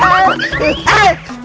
eh malam dari suku